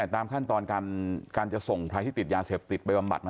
ตามขั้นตอนการจะส่งให้ใครที่ติดยาเสพไปอบรรยาที่ภาพมัน